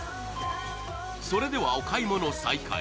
それではお買い物再開。